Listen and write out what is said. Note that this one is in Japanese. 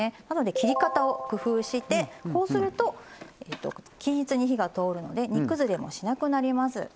なので切り方を工夫してこうすると均一に火が通るので煮崩れもしなくなります。